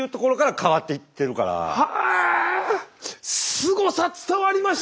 すごさ伝わりました。